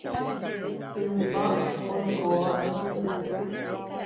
Tymba oikóva ipype.